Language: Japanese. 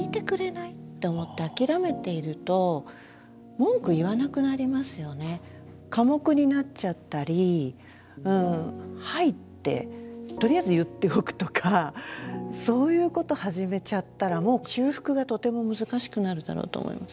それからあとは寡黙になっちゃったり「はい」ってとりあえず言っておくとかそういうこと始めちゃったらもう修復がとても難しくなるだろうと思います。